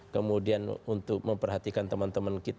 kemudian untuk memperhatikan teman teman kita